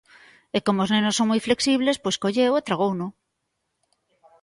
E como os nenos son moi flexibles pois colleu e tragouno.